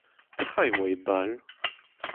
Petra e oa e bal ?